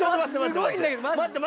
すごいんだけどマジで。